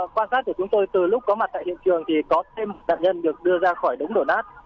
quan sát của chúng tôi từ lúc có mặt tại hiện trường thì có thêm nạn nhân được đưa ra khỏi đống đổ nát